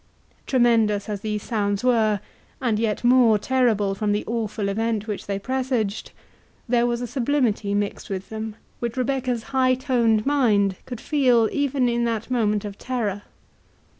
Tremendous as these sounds were, and yet more terrible from the awful event which they presaged, there was a sublimity mixed with them, which Rebecca's high toned mind could feel even in that moment of terror.